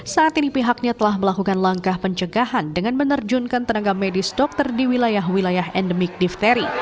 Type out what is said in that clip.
saat ini pihaknya telah melakukan langkah pencegahan dengan menerjunkan tenaga medis dokter di wilayah wilayah endemik difteri